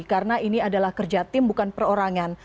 karena ini adalah kerja tim bukan perorangan